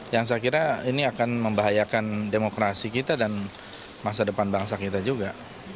yang saya kira ini akan membahayakan demokrasi kita dan masa depan bangsa kita juga